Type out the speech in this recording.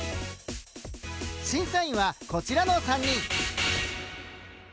審査員はこちらの３人。